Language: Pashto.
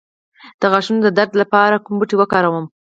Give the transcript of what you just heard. د غاښونو د درد لپاره کوم بوټی وکاروم؟